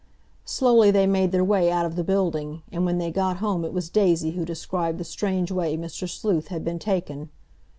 Slowly they made their way out of the building, and when they got home it was Daisy who described the strange way Mr. Sleuth had been taken.